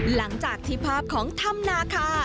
หลังจากที่ภาพของถ้ำนาคา